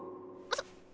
そっ